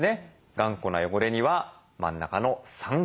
頑固な汚れには真ん中の酸性。